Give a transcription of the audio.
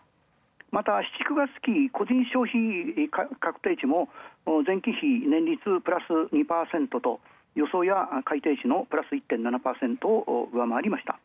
また、７、９月期個人消費確定値も前期比年率２％と予想や改定値のプラス１．７％を上回りました。